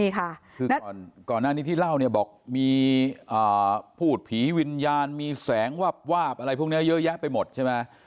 คือก่อนหน้านี้ที่เล่าเนี่ยบอกมีพูดผีวิญญาณมีแสงวาบวาบอะไรพวกนี้เยอะแยะไปหมดใช่ไหม